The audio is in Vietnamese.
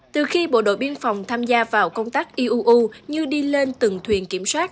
từ khi bộ đội biên phòng tham gia vào công tác iuu như đi lên từng thuyền kiểm soát